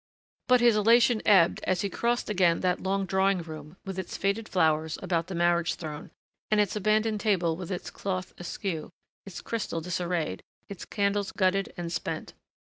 But his elation ebbed as he crossed again that long drawing room with its faded flowers about the marriage throne, and its abandoned table with its cloth askew, its crystal disarrayed, its candles gutted and spent.